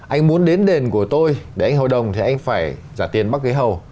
anh muốn đến đền của tôi để anh hầu đồng thì anh phải trả tiền bắc ghế hầu